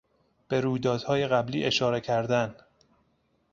به رویدادهای قبلی اشاره کردن